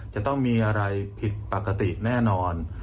จะต้องมีอะไรผิดปกติแน่นอน